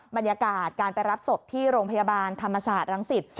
บรรยากาศการไปรับศพที่โรงพยาบาลธรรมศาสตร์รังสิต